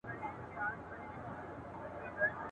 په ځانګړي ډول له هغو کسانو سره چي ځواک یې